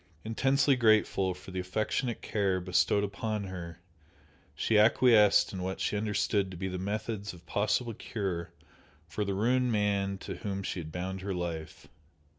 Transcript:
Intensely grateful for the affectionate care bestowed upon her, she acquiesced in what she understood to be the methods of possible cure for the ruined man to whom she had bound her life.